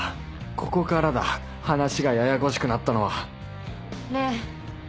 ここからだ話がややこしくなったのはねぇ